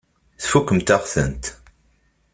Tfakemt-aɣ-tent.